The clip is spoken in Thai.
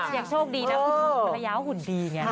อย่างโชคดีนะภรรยาหุ่นดี